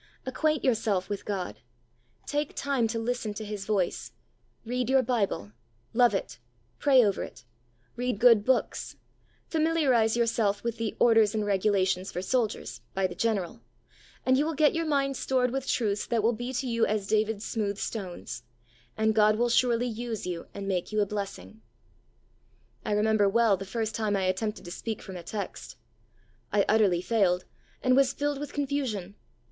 Acquaint yourself with God ; take time to listen to His voice ; read your Bible ; love it, pray over it ; read good books ; familiarise yourself with the "Orders and Regulations for Soldiers," by The General, and you will get your mind stored with truths that will be to you as David's smooth stones, and God will surely use you and make you a blessing. Ii6 Heart talks oH HoLibJESt. I remember well the first time I attempted to speak from a text. I utterly failed, and was filled with confusion.